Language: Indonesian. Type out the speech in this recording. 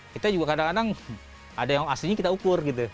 kita juga kadang kadang ada yang aslinya kita ukur gitu